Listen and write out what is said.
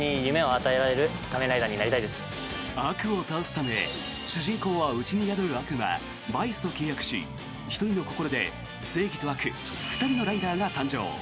悪を倒すため、主人公は内に宿る悪魔・バイスと契約し１人の心で正義と悪２人のライダーが誕生。